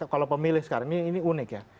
kalau pemilih sekarang ini unik ya